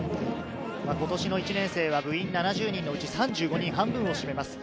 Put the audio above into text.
今年の１年生は部員７０人のうち３５人、半分を占めます。